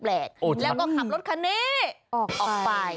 แล้วก็ขับรถคันนี้ออกไป